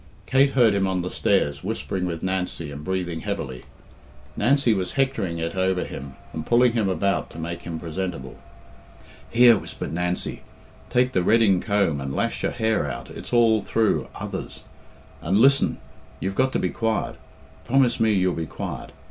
Kate heard him on the stairs whispering with Nancy and breathing heavily. Nancy was hectoring it over him and pulling him about to make him presentable. "Here," whispered Nancy, "take the redyng comb and lash your hair out, it's all through others. And listen you've got to be quiet. Promise me you'll be quiet.